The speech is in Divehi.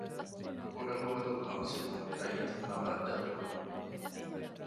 ކުޑަހުވަދޫ ކައުންސިލުން ރައްޔިތުންނާ ބައްދަލުކުރުން